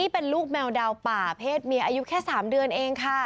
เป็นลูกแมวดาวป่าเพศเมียอายุแค่๓เดือนเองค่ะ